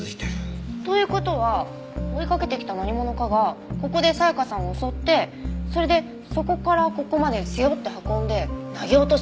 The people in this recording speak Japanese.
という事は追いかけてきた何者かがここで沙也加さんを襲ってそれでそこからここまで背負って運んで投げ落とした。